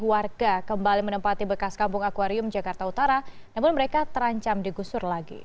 warga kembali menempati bekas kampung akwarium jakarta utara namun mereka terancam digusur lagi